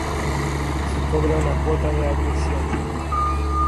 Se cobra una cuota de admisión.